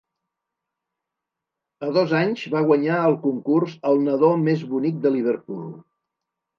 A dos anys va guanyar el concurs "El nadó més bonic de Liverpool".